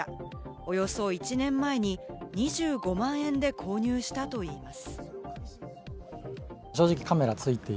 およそ１年前に２５万円で購入したといいます。